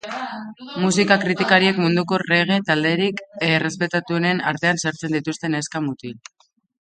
Musika kritikariek munduko reggae talderik errespetatuenen artean sartzen dituzte neska-mutl hauek.